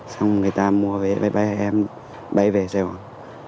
xong người ta mua vé máy bay em bay về sài gòn